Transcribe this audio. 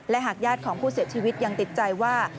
หากญาติของผู้เสียชีวิตยังติดใจว่า